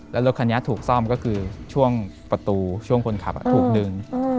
แล้วรถคันนี้ถูกซ่อมก็คือช่วงประตูช่วงคนขับถูกดึง